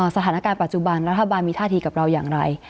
สถานการณ์ปัจจุบันรัฐบาลมีท่าทีกับเราอย่างไร